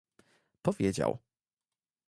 Powiedział